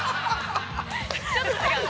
◆ちょっと違う。